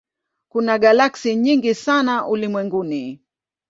Kuna galaksi nyingi sana ulimwenguni.